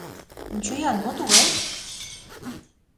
Ончо-ян, мо тугай?..